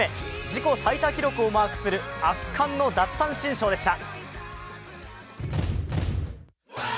自己最多記録をマークする圧巻の奪三振ショーでした。